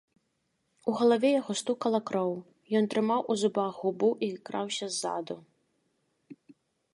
У галаве яго стукала кроў, ён трымаў у зубах губу і краўся ззаду.